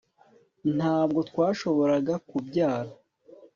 Ntabwo twashoboraga kubyara